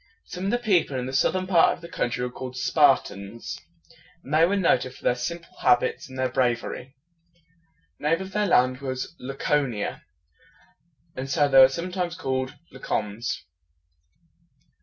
Some of the people in the southern part of the country were called Spar tans, and they were noted for their simple habits and their brav er y. The name of their land was La co´ni a, and so they were sometimes called La cons.